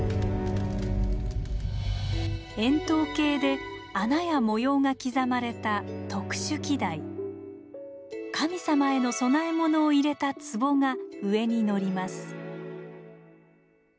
円筒形で穴や模様が刻まれた神様への供え物を入れた壺が上にのります。